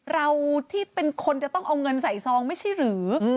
เราที่เป็นคนจะต้องเอาเงินใส่ซองไม่ใช่หรือ